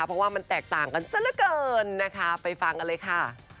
เพราะว่ามันแตกต่างกันซะละเกินนะคะไปฟังกันเลยค่ะ